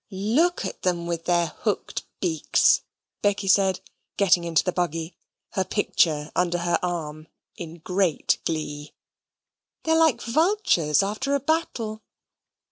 "Look at them with their hooked beaks," Becky said, getting into the buggy, her picture under her arm, in great glee. "They're like vultures after a battle."